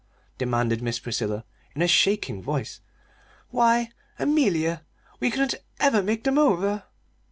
demanded Miss Priscilla, in a shaking voice. "Why, Amelia, we couldn't ever make them over!"